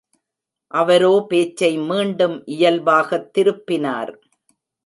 அவரோ பேச்சை மீண்டும் இயல்பாகத் திருப்பினார்.